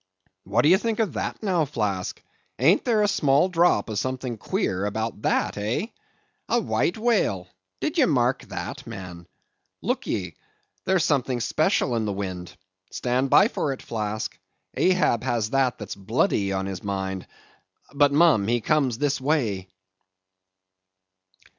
"What do you think of that now, Flask? ain't there a small drop of something queer about that, eh? A white whale—did ye mark that, man? Look ye—there's something special in the wind. Stand by for it, Flask. Ahab has that that's bloody on his mind. But, mum; he comes this way."